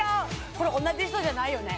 これ同じ人じゃないよね？